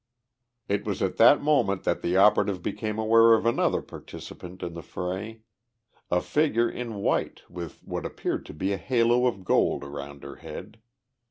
It was at that moment that the operative became aware of another participant in the fray a figure in white with what appeared to be a halo of gold around her head.